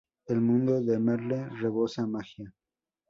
El mundo de Merle rebosa magia.